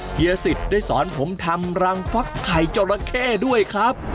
เฮียสิทธิ์ได้สอนผมทำรังฟักไข่จราเข้ด้วยครับ